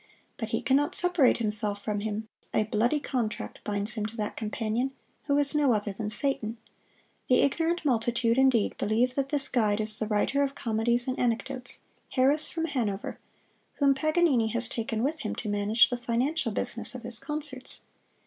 But he can not separate himself from him; a bloody contract binds him to that companion, who is no other than Satan. The ignorant multitude, indeed, believe that this guide is the writer of comedies and anecdotes, Harris from Hanover, whom Paganini has taken with him to manage the financial business of his concerts.